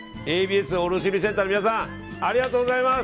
ＡＢＳ卸売センターの皆さんありがとうございます。